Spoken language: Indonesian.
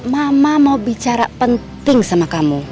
mama mau bicara penting sama kamu